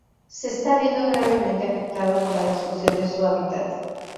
Se está viendo gravemente afectado por la destrucción de su hábitat.